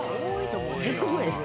１０個ぐらいです。